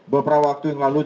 beberapa waktu yang lalu